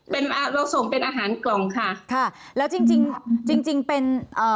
เป็นอ่าเราส่งเป็นอาหารกล่องค่ะค่ะแล้วจริงจริงเป็นเอ่อ